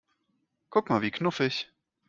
Guck mal, wie knuffig!